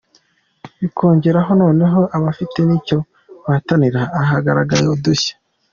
bikongeraho noneho ko bafite nicyo bahatanira, aha hagaragaye udushya.